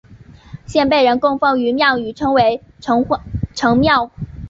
现被人供奉于庙宇称为城隍庙。